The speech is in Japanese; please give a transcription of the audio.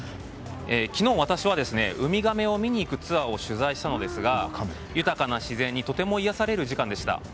昨日、私はウミガメを見に行くツアーを取材したんですが豊かな自然にとても癒やされる時間でした。